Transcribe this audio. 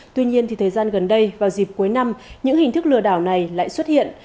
tuy nhiên thời gian gần đây vào dịp cuối năm những hình thức lừa đảo này lại xuất hiện